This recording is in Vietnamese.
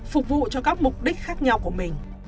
phục vụ cho các mục đích khác nhau của mình